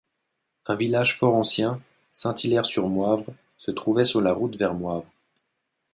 Un village fort ancien, Saint-Hilaire-sur-Moivre, se trouvait sur la route vers Moivre.